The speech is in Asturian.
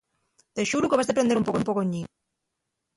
De xuru que vas deprender un pocoñín.